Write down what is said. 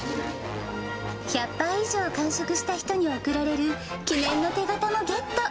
１００杯以上完食した人に贈られる記念の手形もゲット。